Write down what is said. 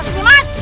ini mas raden